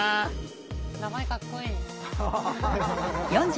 名前かっこいい。